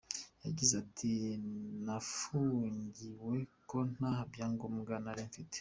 Yagize ati “Nafungiwe ko nta byangomwa nari mfite.